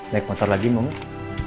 naik motor lagi mau gak